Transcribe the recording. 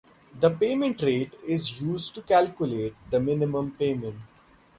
The payment rate is used to calculate the minimum payment.